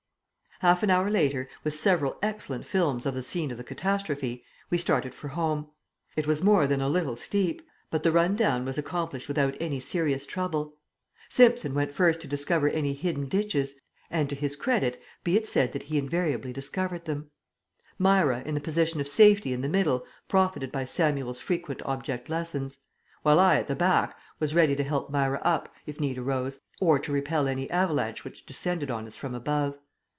Half an hour later, with several excellent films of the scene of the catastrophe, we started for home. It was more than a little steep, but the run down was accomplished without any serious trouble. Simpson went first to discover any hidden ditches (and to his credit be it said that he invariably discovered them); Myra, in the position of safety in the middle, profited by Samuel's frequent object lessons; while I, at the back, was ready to help Myra up, if need arose, or to repel any avalanche which descended on us from above.